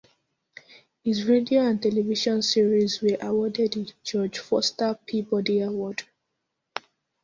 His radio and television series were awarded the George Foster Peabody Award.